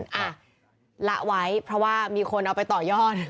อ่ะละไว้เพราะว่ามีคนเอาไปต่อยอด